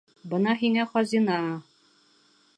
Бына һиңә хазина!